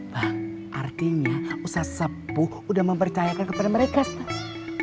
bang artinya ustadz sepuh sudah mempercayakan kepada mereka staf